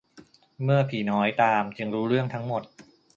เมื่อผีน้อยตามจึงรู้เรื่องทั้งหมด